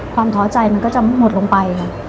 ความท้อใจมันก็จะหมดลงไป